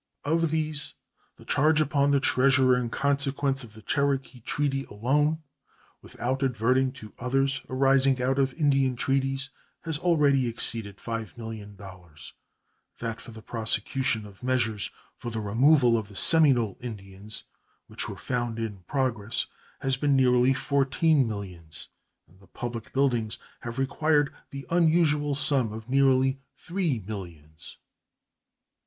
Of these, the charge upon the Treasurer in consequence of the Cherokee treaty alone, without adverting to others arising out of Indian treaties, has already exceeded $5,000,000; that for the prosecution of measures for the removal of the Seminole Indians, which were found in progress, has been nearly fourteen millions, and the public buildings have required the unusual sum of nearly three millions.